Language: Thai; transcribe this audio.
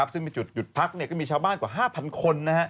ซึ่งมีจุดหยุดพักก็มีชาวบ้านกว่า๕๐๐คน